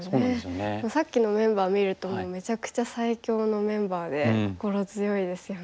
さっきのメンバー見るともうめちゃくちゃ最強のメンバーで心強いですよね。